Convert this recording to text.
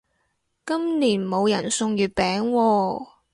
今年冇人送月餅喎